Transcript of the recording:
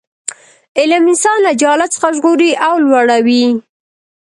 علم انسان له جهالت څخه ژغوري او لوړوي.